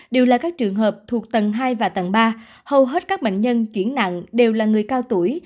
đều là các trường hợp thuộc tầng hai và tầng ba hầu hết các bệnh nhân chuyển nặng đều là người cao tuổi